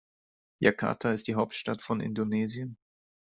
Jakarta ist die Hauptstadt von Indonesien.